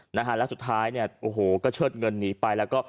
นะฮะแล้วสุดท้ายเนี่ยโอ้โหก็เชิดเงินหนีไปแล้วก็